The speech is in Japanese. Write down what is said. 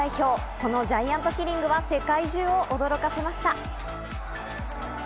このジャイアントキリングは世界中を驚かせました。